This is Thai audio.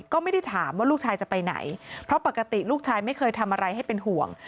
ก็ไม่ได้ถามว่าลูกชายจะไปไหนเพราะปกติลูกชายไม่เคยทำอะไรให้เป็นห่วง